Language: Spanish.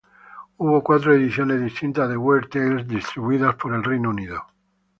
Hubo cuatro ediciones distintas de "Weird Tales" distribuidas en el Reino Unido.